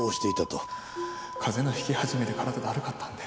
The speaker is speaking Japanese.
風邪の引き始めで体だるかったんで。